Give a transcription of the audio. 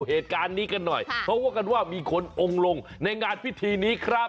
เหตุการณ์นี้กันหน่อยเพราะว่ากันว่ามีคนองค์ลงในงานพิธีนี้ครับ